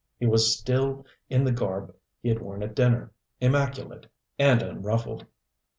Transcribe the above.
He was still in the garb he had worn at dinner, immaculate and unruffled.